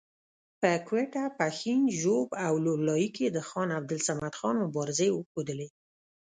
په کوټه، پښین، ژوب او لور لایي کې د خان عبدالصمد خان مبارزې وښودلې.